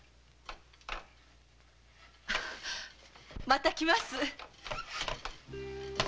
また来ます。